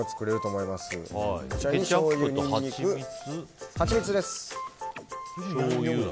しょうゆ、ニンニクハチミツです。